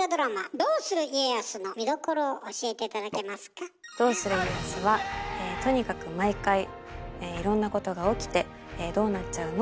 「どうする家康」はとにかく毎回いろんなことが起きてどうなっちゃうの？